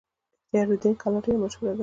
اختیار الدین کلا ډیره مشهوره ده